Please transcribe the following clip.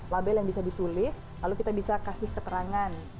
label yang bisa ditulis lalu kita bisa kasih keterangan